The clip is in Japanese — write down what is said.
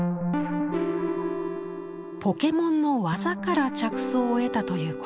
ポケモンの技から着想を得たというこの作品。